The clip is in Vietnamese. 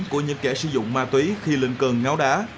của những kẻ sử dụng ma túy khi linh cường ngao đá